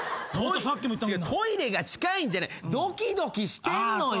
トイレが近いんじゃないドキドキしてんのよ。